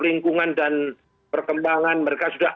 lingkungan dan perkembangan mereka sudah